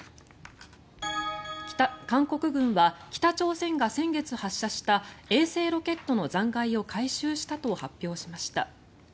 韓国軍は北朝鮮が先月発射した衛星ロケットの残骸を回収したと発表しました。